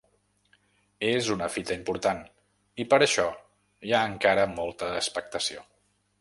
És una fita important i per això hi ha encara molta expectació.